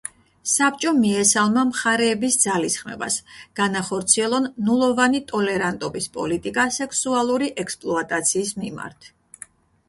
საბჭომ მიესალმა მხარეების ძალისხმევას, განახორციელონ ნულოვანი ტოლერანტობის პოლიტიკა სექსუალური ექსპლუატაციის მიმართ.